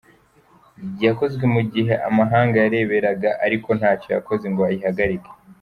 Yakozwe mu gihe amahanga yarebereraga ariko ntacyo yakoze ngo ayihagarike.